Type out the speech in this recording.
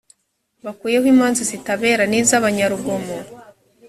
bakuraho imanza zitabera n’iz’ abanyarugomo